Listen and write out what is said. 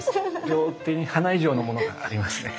両手に花以上のものがありますね。